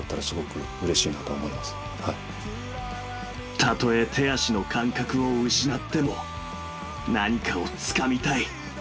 「たとえ手足の感覚を失っても何かをつかみたい。